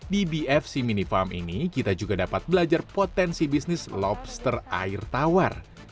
di bfc mini farm ini kita juga dapat belajar potensi bisnis lobster air tawar